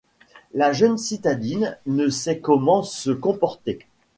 La jeune citadine ne sait comment se comporter.